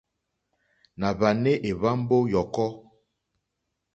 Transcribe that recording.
Nà hwànè èhwambo yɔ̀kɔ.